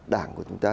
đảng của chúng ta